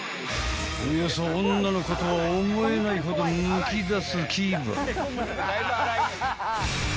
［およそ女の子とは思えないほどむき出す牙］